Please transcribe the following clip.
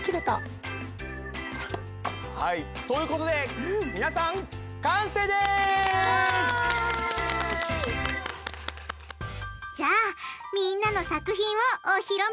はいということでみなさんじゃあみんなの作品をお披露目だ！